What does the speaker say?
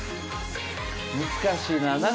難しいな。